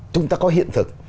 chúng ta có hiện thực